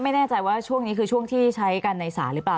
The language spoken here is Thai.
ไม่แน่ใจว่าช่วงนี้คือช่วงที่ใช้กันในศาลหรือเปล่า